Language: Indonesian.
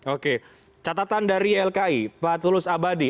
oke catatan dari ylki pak tulus abadi